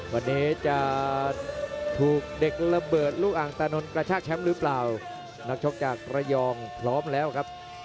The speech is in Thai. วันนี้จะถูกเด็กระเบิดลูกอ่างตานนท์กระชากแชมป์หรือเปล่านักชกจากระยองพร้อมแล้วครับ